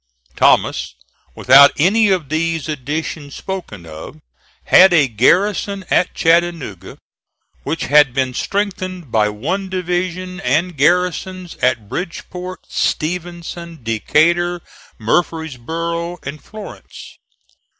Thomas, without any of these additions spoken of, had a garrison at Chattanooga which had been strengthened by one division and garrisons at Bridgeport, Stevenson, Decatur, Murfreesboro, and Florence.